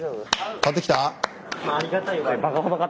買ってきた？